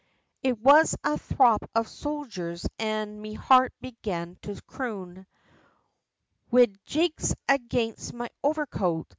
It was a throop of sojers, an' me heart began to croon, Wid jigs, aginst me overcoat!